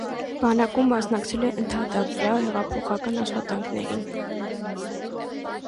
Բանակում մասնակցել է ընդհատակյա հեղափոխական աշխատանքներին։